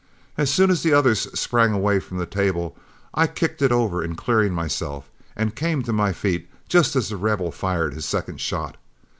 As soon as the others sprang away from the table, I kicked it over in clearing myself, and came to my feet just as The Rebel fired his second shot.